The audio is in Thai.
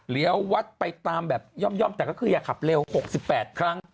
วัดไปตามแบบย่อมแต่ก็คืออย่าขับเร็ว๖๘ครั้ง